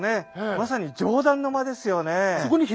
まさに上段の間ですよね。